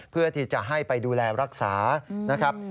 เพื่อที่จะให้ไปดูแลรักษานะครับ